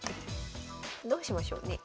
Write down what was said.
どうしましょうね。